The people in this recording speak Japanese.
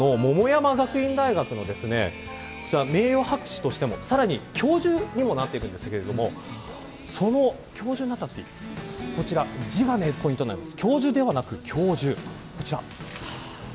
母校の桃山学院大学の名誉博士としてもさらに教授にもなっているんですけれどもその教授になったときに、こちら次がポイントになります。